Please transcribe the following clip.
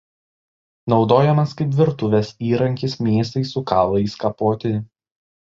Naudojamas kaip virtuvės įrankis mėsai su kaulais kapoti.